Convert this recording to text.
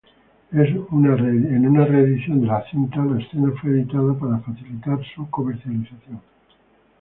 En una reedición de la cinta, la escena fue editada para facilitar su comercialización.